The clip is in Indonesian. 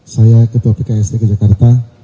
saya ketua pksd kejakarta